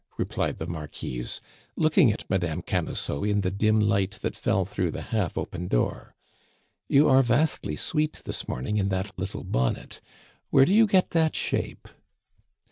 replied the Marquise, looking at Madame Camusot in the dim light that fell through the half open door. "You are vastly sweet this morning in that little bonnet. Where do you get that shape?"